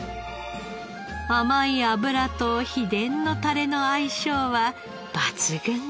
甘い脂と秘伝のタレの相性は抜群です。